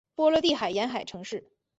波罗的海沿岸城市。